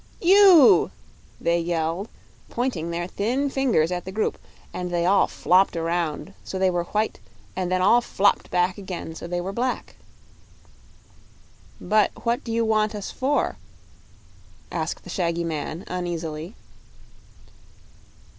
"You!" they yelled, pointing their thin fingers at the group; and they all flopped around, so they were white, and then all flopped back again, so they were black. "But what do you want us for?" asked the shaggy man, uneasily.